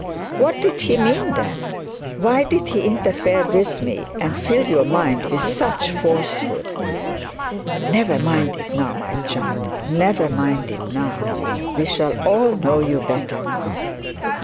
'What did he mean then? Why did he interfere with me, and fill your mind with such falsehood?' 'Never mind it now, my child; never mind it now. We shall all know you better now.'